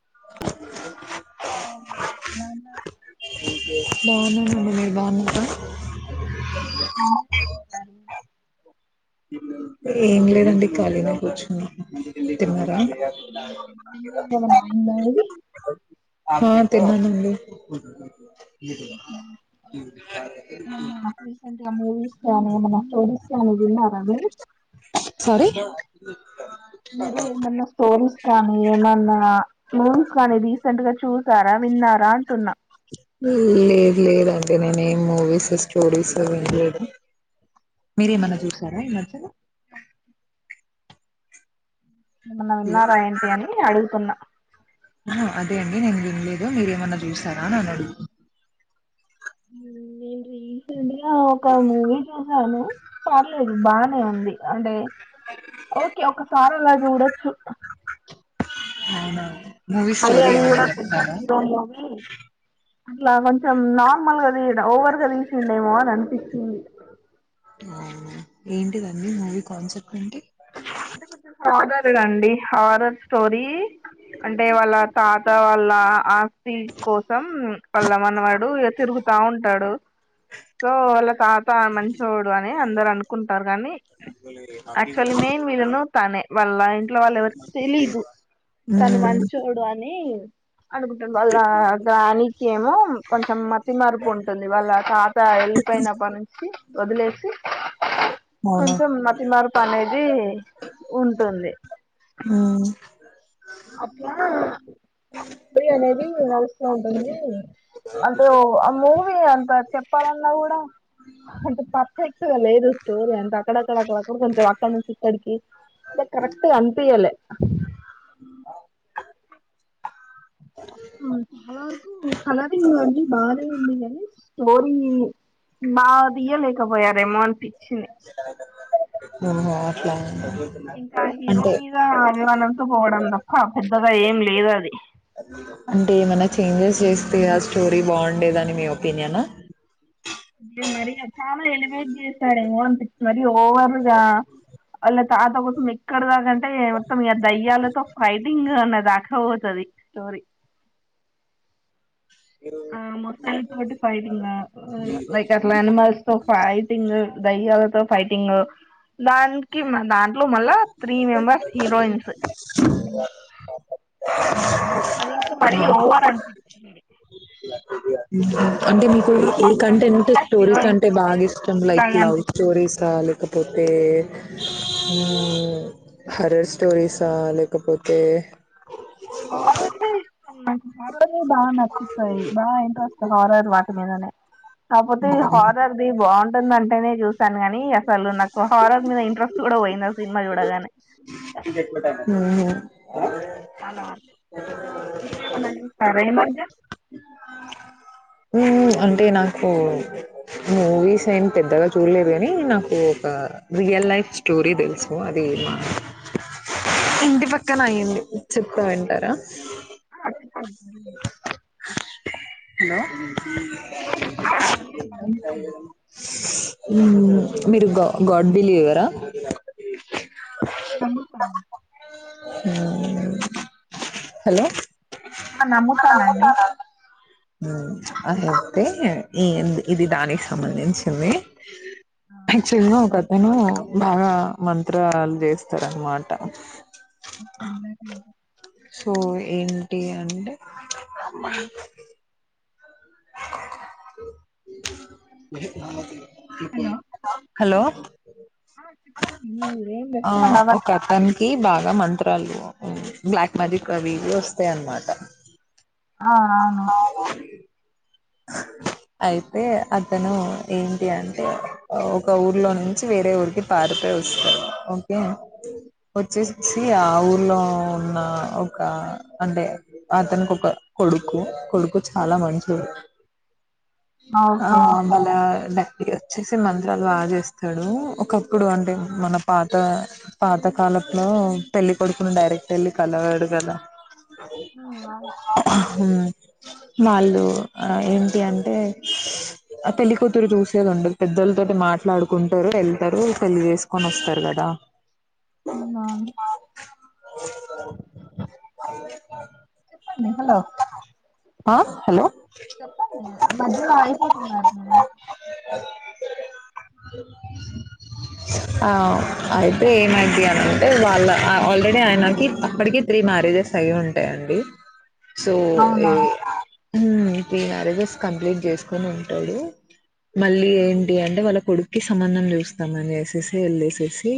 [inaudible] బావున్నానండీ మీరు బావున్నారా [inaudible] ఏమి లేదండి ఖాళీగా కూర్చున్న తిన్న ఉమ్ తిన్నార నాయిందాలోని ఆ తిన్నానండి ఉహు ఏమన్న రిసెంట్గా మూవీస్ ప్లాన్ ఏమన్నా వాళ్ళు తిన్నార అండి సారీ మీరు ఏమన్నా స్టోరీస్ కానీ ఏమన్నా మూవీస్ కానీ తీస్ ట్ గా చూసారా విన్నారా అంటున్నా లేదు లేదయితే నేనెం మూవీస్ స్టోరీస్ వినలేదు మీరు ఏమన్నా చూసారా ఈ మధ్యలో ఏమన్నా ఉన్నారా ఏంటి అని అడుగుతున్నా హా అదే అండి నేను వినలేదు. మీరేమన్నా చూసార అని అడుగుతు నేను రీసెంట్ గా ఒక మూవీ చూసాను పర్లేదు బానే ఉంది అంటే ఓకే ఒకసారి అల చూడచ్చు అవునా మూవీ స్టోరీ మలయాళంలో ఏమన్నా గూడా పెద్ద చెప్తారా హీరో మూవి అట్లా కొంచెం నార్మల్గా తియ ఓవర్ గా తీసిండేమో అని అనిపించింది ఆ ఏంటిదండి మూవీ కాన్సెప్ట్ ఏంటి అంటే కొంచెం హరర్ ది అండి హారర్ స్టోరీ అంటే వాళ్ళ తాత వాళ్ళ ఆస్ స్తి కోసం వాళ్ళమనవడు తిరుగుతా ఉంటాడు సో వాళ్ళ తాత మంచోడు అని అందరు అనుకుంటారు కానీ యాక్చువల్లీ మెన్ తనే వాళ్ళ ఇంట్లో వాళ్లేవరికి తెలీదు తను మ్మ్ మంచోడు అని ఇయ్ అనుకుంటరు వాళ్ళ దానికెమో కొంచెం మతి మరుపు ఉం వాళ్ళ తాత యెళ్ళిపోయినప్పటి నించి వదిలేసి అవును కొంచం మతి మరుపనే జీ ఉంటుంది మ్మ్ అట్లా అనేది నడుస్తూ ఉంటుంది అంటే ఆ మూవీ అంత చెప్పాలన్నా కూడా అంటే పర్ఫెక్ట్గా లేదు స్టోరీ అంత అక్కడక్కడ అక్కడక్కడ కొంచెం అక్క నుంచి ఇక్కడికి అంటే కరెక్ట్గా అనిపియాలె చాలా వరకు కలరింగ్ అ బానే ఉంది బానే ఉందిగాని స్టోరీ బాగ తీయలేకపోయారేమో అనిపించింది మట్ల ఇంక హీరో మీద అభిమానంతో పోవడం తప్ప పెద్దగా ఏం లేదది అంటే ఏమైనా చేంజెస్ జేస్తే ఆ స్టోరీ బాగుండేదని మీ ఒపినియన మరి చాలా ఎలివేట్ చేసాడెమో అనిపిస్తది మరి ఓవర్ గా వాళ్ళ తాత కోసం ఎక్కడ దాకంటే మొత్తం దయ్యాలతో ఫైటింగ్ అన్న దాక పోతది స్టోరీ ఆ మొత్తాల తోటి ఫైటింగ్ లైక్ అట్ల అనిమల్స్ తో ఫైటింగ్ దయ్యాలతో ఫైటింగ్ దానికి దాంట్లో మళ్ళా త్రీ మెంబర్స్ హీరోయిన్స్ అది ఇంకా మరీ ఆ, ఓవర్ అనిపించి అంటే మీకు half A of the content movie stories heroines అంటే తోటే బాగా ఇష్టం సోది లైక్ లాగా లవ్ అనిపించింది స్టోరీస్ లేకపోతే హరర్ స్టోరీసా లేకపోతే కాదండి బాగా నచ్చుతాయి బాగా ఇంట్రెస్ట్ హారర్ వాటి మీదనే కాకపోతే హారర్ది బాగుంట మేం మంటని ఇంట్రెస్ట్ కూడా పోయింది ఆ సినిమా చూడగానే మ్మ్ చాలా వరకు మీరేమంటే అంటే నాకు మూవీస్ ఏమి పెద్దగా చూడలేదు గాని నాకు ఒక రియల్ లైఫ్ స్టోరీ తెలుసు అది మా ఇంటి పక్కన అయ్యంది చెప్తా వింటారా ఆ చె అది హలో ఆ చెప్పండి పర్లేదు వింటాను మీరు గా గాడ్ బిలీవరా ఆ నమ్ముతాను ఆ హలో ఆ నమ్ముతానండి అ అహయితే ఈ ఇది దానికి సంబంధించిందే చును ఒక అతను బాగా మంత్రాలు చేస్తారన్నమాట [unintelligible] సో ఏంటి అంటే బ మీ మహతి హలో చెప్పండి మీరేం ఆ చెప్తున్నా ఒక నవట్లే అతనికి బాగా మంత్రాలు బ్లాక్ మ్యాజిక్ అవి ఇవి వస్తాయి అనమాట ఆ అవును అయితే అతను ఏంటి అంటే ఒక ఊర్లో నుంచి వేరే ఊరికి పారిపోయి వస్తా ఓకే వచ్చేసి ఆ ఊర్లో ఉన్న ఒక అంటే అతనుకు ఒక కొడుకు కొడుకు చాలా మంచోడు ఆ ఓకే భాల ల వచ్చేసి మంత్రాలు బాగా చేస్తాడు ఒకప్పుడు అంటే మన పాత పాతకాలపు లో పెళ్లి కొడుకుని డైరెక్ట్ పెళ్ళి కలవాడు కదా అవునా హ్మ్ వాళ్ళు ఆ ఏంటి అంటే ఆ పెళ్లి కూతురు చూసేది ఉండదు పెద్దలతోటి మాట్లాడుకుంటారు వెళ్తారు పెళ్లి చేేసుకొని వస్తారు కదా అండి హలో ఆ హలో చెప్పండి మధ్యలో అగిపోతున్నారు అయితే ఏమైదీ అనుకుంటే వాళ్ళ ఆల్రెడీ ఆ మనకి అప్పటికి త్రీ మ్యారేజెస్ అయింటాయండి సో ఏ హు అయితే [unintelligible] కంప్లీట్ చేసుకుని ఉంటాడు మళ్ళీ ఏంటి అంటే వాళ్ళ కొడుకు కి సంబంధం చూస్తాంని అనేసి వెళ్ళసి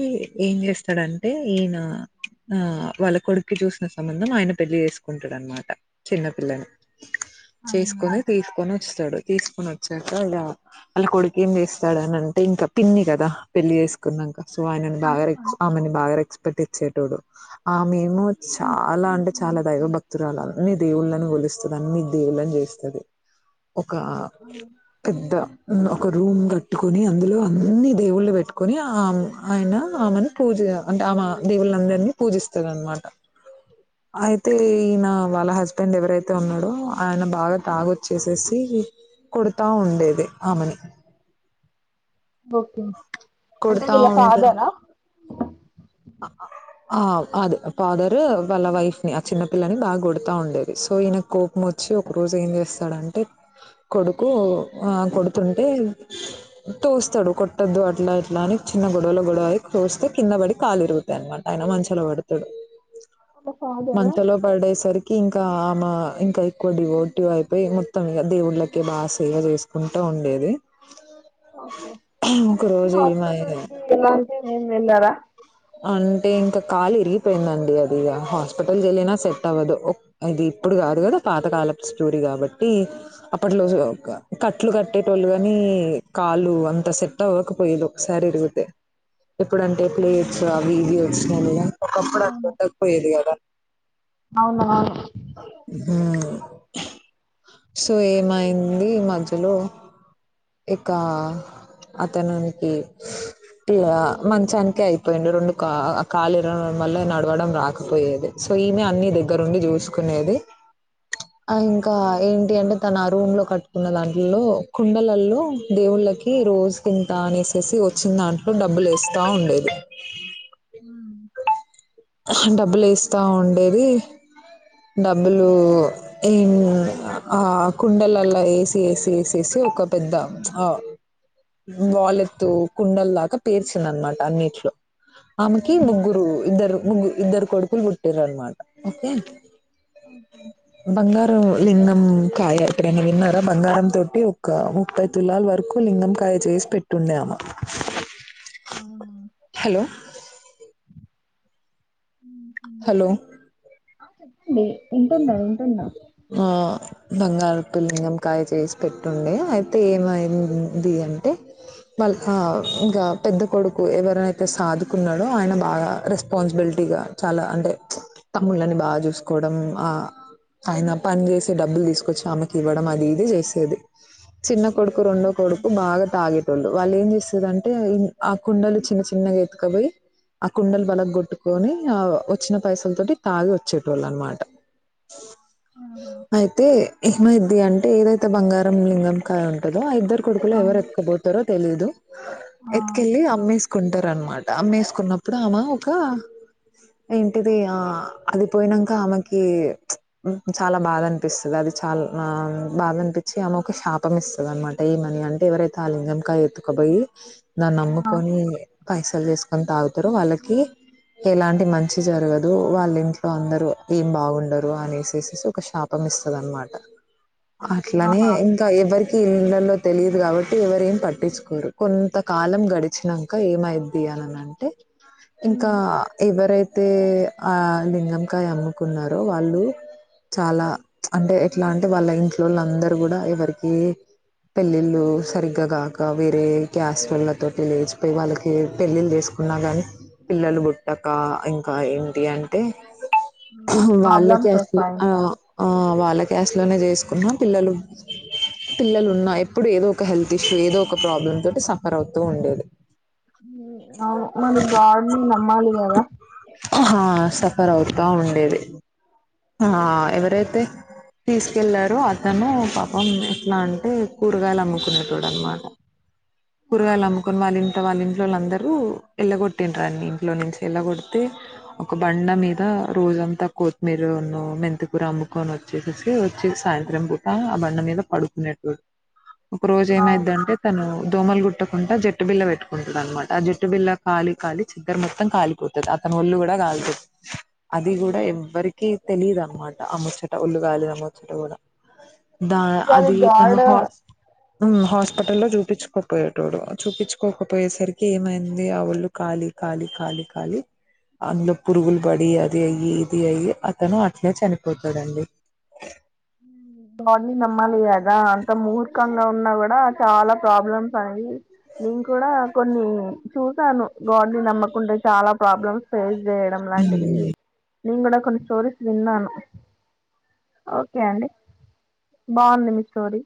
ఏం చేస్తాడంటే ఈయన ఆ వాళ్ళ కొడుక్కి చూసిన సంబంధం ఆయన పెళ్లి చేసుకుంటాడు అనమాట చిన్నపిల్లలు చేసుకొని తీసుకొని వాడు తీసుకునీ వచ్చాక ఇలా వాళ్ళ కొడుకు ఏం చేస్తాడుని అంటే ఇంకా పిన్ని కదా పెళ్లి చేసుకున్నాక సో ఆయన బాగాస్ ఆమెని బాగా రక్స్పెక్ట్ చెటోడు ఆ మేము చాలా అంటే చాలా దైవ భక్తురాలం అన్నీ దేవుళ్ళని గోలిస్తది అన్ని దేవుళ్ళని చేస్తది ఒక పెద్ద ఒక రూమ్ కట్టుకొని అందులో అన్ని దేవుళ్ళు పెట్టుకొని ఆ ఆయన ఆమెను పూజ అంటే ఆమె దేవుళ్ళందరినీ పూజిస్తారు అనమాట అయితే ఈయనా హస్బెండ్ ఎవరైతే ఉన్నాడో ఆయన బాగా తాగొచ్చేసేసి కొడతా ఉండేది ఆమెని ఓకే అంటే కొడతా వీళ్ళ ఉంటే ఫాదరా ఆ అదే ఫాదరు వాళ్ళ వైఫ్ ని ఆ చిన్న పిల్లని బాగా కొడతా ఉండేది సో ఈయన కో మ వచ్చి ఒక రోజు ఏం చేస్తాం డు అంటే కొడుకు ఆ కొడుతుంటే తోస్తాడు కొట్టొద్దు అట్లా ఇట్లా అని చిన్న గొడవల గొడవయి తోస్తే కింద పడి కాలు ఇరుగుతాయి అనమాట ఆయన మంచలో పడుతాడు వాళ్ళ ఫాదరా మంచలో పడేసరికి ఇంకా ఆమె ఇంకా ఎక్కువ డివోటివ్ అయిపోయి మొత్తం ఇ దేవుళ్ళకే బాగా సేవ చేసుకుంటా ఉండేది ఓకే ఒక రోజు ఈమె హస్పిటల్ ఏం ఎలార అంటే ఇంకా కాలు ఇరిగిపోయిందండి అది హాస్పిటల్ వెళ్లినా సెట్ అవ్వదు ఇది ఇప్పుడు కాదు కదా పాతకాలపు స్టోరీ కాబట్టి అప్పట్లో కట్లు కట్టేటోళ్ళు కాగాని కాలు అంత సెట్ అవ్వకపోయేది ఒకసారి ఇరిగితే ఎప్పుడుంటే ప్లేజ ఆ వీడియోస్ ఒకప్పుడు అక్కండకపోయేది కదా అవున ఆ హ్మ్. సో ఏమైంది మధ్యలో ఇక అతనునికి పలా మంచానికి అయిపో పోయిండు రెండు కా కాలు ఇరడం వల్ల నడవడం రాకపోయేది సో ఈమె అన్ని దగ్గరుండి చూసుకునేది ఆ ఇంకా ఏంటి అంటే తను ఆ రూమ్ లో కట్టు ఉన్న దాంట్లో కుండలల్లో దేవుళ్ళకి రోజు తింటా అనేసేసి వచ్చిన దాంట్లో డబ్బులు వేస్తా ఉండేది ఆ అ డబ్బులు వేస్త ఉండేది డబ్బులు ఏ ఆ కుండలలా ఏసి ఏసి వేసేసి ఒక పెద్ద ఆ వాలెత్తు కుండల దాకా పేర్చింది అనమాట అన్నిట్లో ఆమెకి ముగ్గురు ఇద్దరు ముగ్గు ఇద్దరు కొడుకులు పుట్టిర్రన మాట ఓకే బంగారు లింగం కాయ ఎక్కడన్నా విన్నారా బంగారం తోటి ఒక ముప్పై తులాల వరకు లింగం కాయ చేసి పెట్టుండే ఆమ హలో హలో ఊహూ ది వింటున్నా వింటున్నా ఆ బంగారపు లింగం కాయ చేసి పెట్టుండే అయితే ఏమైంది అంటే వాళ్ళ ఆ ఇంకా పెద్ద కొడుకు ఎవరనైతే సాధుకున్నాడో ఆయన బాగా రెస్పాన్సిబిలిటీగా చాలా అంటే తమ్ముళ్ళని బాగా చూసుకోవడం ఆ ఆయన పని చేసి డబ్బులు తీసుకొచ్చి ఆమెకివ్వడం అది ఇది చేసేది చిన్న కొడుకు రెండో కొడుకు బాగా తాగి తుందు వాళ్ళు ఏం చేస్తుదంటే ఉమ్ ఆ కుండలు చిన్న చిన్నగా ఎత్తుకుపోయి ఆ కుండలు బలగ్గొట్టుకొని ఆ వచ్చిన పైసల తోటి తాగి వచ్చేటోళ్ళు అనమాట అయితే ఏమైద్ది అంటే ఏదైతే బంగారం లింగం కాయ ఉంటదో ఆ ఇద్దరు కొడుకులు ఎవరు ఎత్తుకుపోతారో తెలిదు ఎత్తుకెళ్ళి అమ్మేసుకుంటారు అనమాట అమ్మేసుకున్నప్పుడు ఆమె ఒక ఏంటిది ఆ అది పోయినంక ఆమెకి కి చాలా బాధ అనిపిస్తుది అది చాల ఆ బాధనిపిచ్చి ఆమె ఒక శాపం ఇస్తది అనమాట ఏమని అంటే ఎవరైతే ఆ లింగంకాయ ఎత్తుకపోయి దాన్ని అమ్ముకొని పైసలు చేసుకొని తాగుతారు వాళ్ళకి ఎలాంటి మంచి జరగదు వాళ్ళింట్లో అందరూ ఏం బావుండరు అనేసేసేసి ఒక శాపం ఇస్తది అనమాట అట్లనే ఆహా ఇంకా ఎవరి కి ఇళ్లలో తెలియదు కాబట్టి ఎవరేం పట్టిచ్చుకోరు కొంతకాలం గడిచినంక ఏమైద్ది అననంటే ఇంకా ఎవరైతే ఆ లింగంకాయ అమ్ము కున్నారో వాళ్ళు చాలా అంటే ఎట్లా అంటే వాళ్ళ ఇంట్లోళ్ళందరు కూడా ఎవరికీ పెళ్ళిళ్ళు సరిగ్గాగాక వేరే క్యాస్టోళ్ళ తోటి లేచిపోయి వాళ్ళకి పెళ్ళిళ్ళు చేసుకున్నా కాని పిల్లలు పుట్టక ఇంకా ఏంటి అంటే [unintelligible] వాళ్ళ ప్రాబ్లమ్స్ కాస్టు అ వస్తాయి ఆ వాళ్ళ కాస్ట్ లోనే చేసుకున్నా పిల్లలు పిల్లలున్నా ఎప్పుడూ ఏదో ఒక హెల్త్ ఇష్యూ ఏదో ఒక ప్రాబ్లమ్ తోటి సఫర్ అవుతూ ఉండేది ఉమ్ అవును మరి గాడ్ ని నమ్మాలి కదా కర అవుతా ఉండేది ఆ ఎవరైయితే తీసుకెళ్లారో అతను పాపం ఎట్లా అంటే కూరగాయలు అమ్ముకునేటోడు అనమాట కూరగాయలు అమ్ముకుని వాళ్ళింట వాళ్ళింట్లో వాళ్ళందరూ ఎల్లగొట్టిండ్రు ఆన్ని ఇంట్లో నుంచి ఎళ్లగొడితే ఒక బండ మీద రోజంతా కోత్ [unintelligible] మి జు నూ మెంతికూర అమ్ముకొని వచ్చేసేసి చ్చి సాయంత్రం పూట ఆ బండ మీద పడుకునేట్టు ఒక రోజు ఏమైద్ది అంటే తను దోమలు గుడ్ ట్టకుంటా జట్టు బిల్ల పెట్టుకుంటది అనమాట ఆ జట్టు బిల్ల కాలి కాలి చద్దరు మొత్తం కాలిపోతది అతని ఒళ్ళు కూడా కాలిపో అది కూడా ఎవ్వరి కి తెలిదు అనమాట ఆ ముచ్చట ఒళ్ళుగాలిన ముచ్చట కూడా దా ఇక అది తను గాడ్ హాట్ ఉమ్మ్ హాస్పిటల్లో చూపిచ్చుకోకపోయేటోడు చూపిచ్చుకోకపోయేసరికి ఏమైంది ఆ వొళ్ళు కాలి కాలి కాలి కాలి అందులో పురుగులు పడి అది అయ్యి ఇది అయ్యి అతను అట్లే చనిపోతాడండి గగాడ్ ని నమ్మాలి కదా అంత మూర్ఖంగా ఉన్నా కూడా చాలా ప్రాబ్లమ్స్ అవి నేను కూడా కొన్ని చూసాను గాడ్ ని నమ్మకుంటే చాలా ప్రాబ్లమ్స్ ఫేస్ చేయడం లాంటిది నేను కూడా కొన్ని స్టోరీస్ విన్నాను ఓ ఓకే అండి బాగుంది మీ స్టోరీ